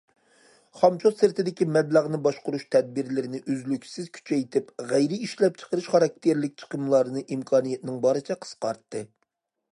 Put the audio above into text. خامچوت سىرتىدىكى مەبلەغنى باشقۇرۇش تەدبىرلىرىنى ئۈزلۈكسىز كۈچەيتىپ، غەيرىي ئىشلەپچىقىرىش خاراكتېرلىك چىقىملارنى ئىمكانىيەتنىڭ بارىچە قىسقارتتى.